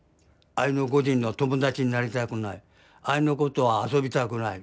じんの友達になりたくないあいの子とは遊びたくない。